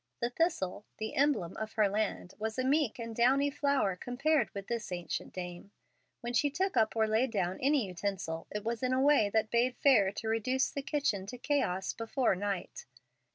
The thistle, the emblem of her land, was a meek and downy flower compared with this ancient dame. When she took up or laid down any utensil, it was in a way that bade fair to reduce the kitchen to chaos before night.